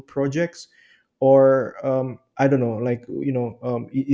proyek yang berkelanjutan ini